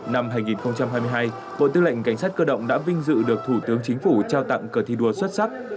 năm hai nghìn hai mươi hai bộ tư lệnh cảnh sát cơ động đã vinh dự được thủ tướng chính phủ trao tặng cờ thi đua xuất sắc